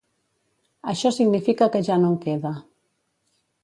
Això significa que ja no en queda.